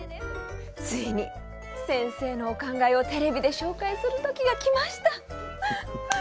ついに先生のお考えをテレビで紹介するときがきました。